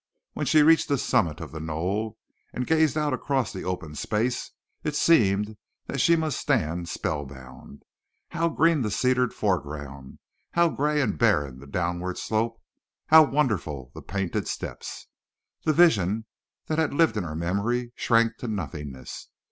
When she reached the summit of the knoll and gazed out across the open space it seemed that she must stand spellbound. How green the cedared foreground—how gray and barren the downward slope—how wonderful the painted steppes! The vision that had lived in her memory shrank to nothingness.